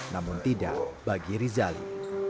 namun tidak bagi rizali